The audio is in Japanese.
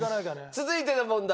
続いての問題